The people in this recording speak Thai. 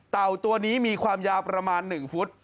ตัวนี้มีความยาวประมาณ๑ฟุต